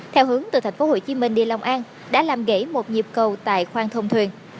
theo hướng từ tp hcm đi long an đã làm gãy một nhịp cầu tại khoang thông thuyền